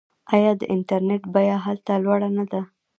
آیا د انټرنیټ بیه هلته لوړه نه ده؟